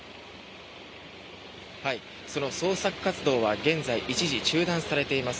その捜索活動は現在、一時中断されています。